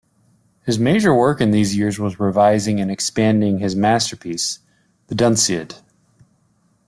His major work in these years was revising and expanding his masterpiece "The Dunciad".